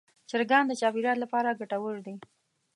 چرګان د چاپېریال لپاره ګټور دي.